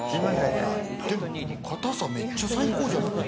でも硬さ、めっちゃ最高じゃない？